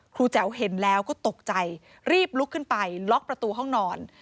แจ๋วเห็นแล้วก็ตกใจรีบลุกขึ้นไปล็อกประตูห้องนอน